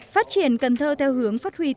phát triển cần thơ theo hướng phát huy tổ chức